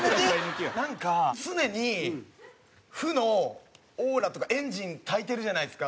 なんか常に負のオーラとかエンジンたいてるじゃないですか。